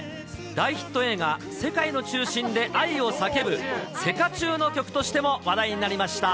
大ヒット映画、世界の中心で、愛をさけぶ、セカチューの曲としても話題になりました。